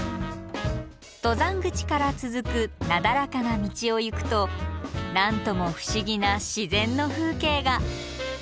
登山口から続くなだらかな道を行くと何とも不思議な自然の風景が！